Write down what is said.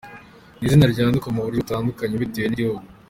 Ni izina ryandikwa mu buryo butandkanye bitewe n’igihugu.